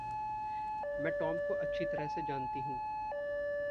मैं टॉम को अच्छी तरह से जानती हूँ।